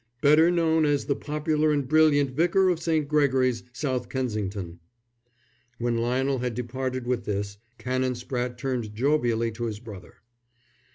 "Better known as the popular and brilliant Vicar of St. Gregory's, South Kensington." When Lionel had departed with this, Canon Spratte turned jovially to his brother.